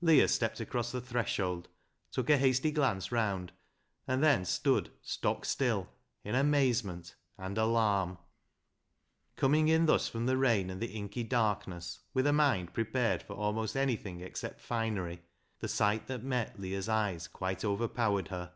Leah stepped across the threshold, took a hasty glance round, and then stood stock still in amazement and alarm. LEAH'S LOVER 105 Coming in thus from the rain and the inky darkness, with a mind prepared for almost anything except finery, the sight that met Leah's eyes quite overpowered her.